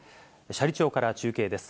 斜里町から中継です。